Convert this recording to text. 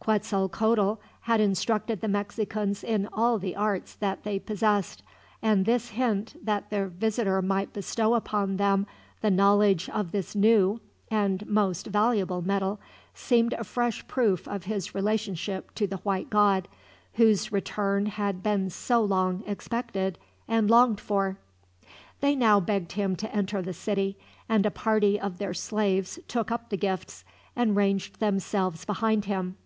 Quetzalcoatl had instructed the Mexicans in all the arts that they possessed, and this hint that their visitor might bestow upon them the knowledge of this new, and most valuable metal, seemed a fresh proof of his relationship to the White God, whose return had been so long expected and longed for. They now begged him to enter the city, and a party of their slaves took up the gifts, and ranged themselves behind him.